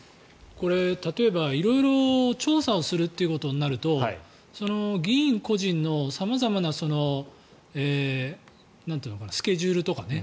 例えば、色々と調査をすることになると議員個人の様々なスケジュールとかね。